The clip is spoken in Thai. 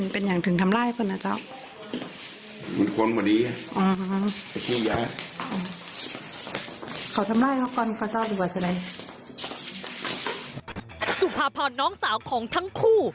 พาพาวน้องสาวของทั้งคู่